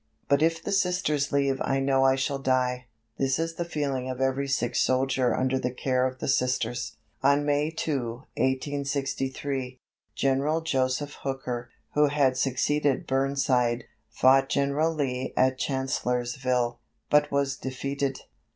But if the Sisters leave I know I shall die. This is the feeling of every sick soldier under the care of the Sisters." On May 2, 1863, General Joseph Hooker, who had succeeded Burnside, fought General Lee at Chancellorsville, but was defeated.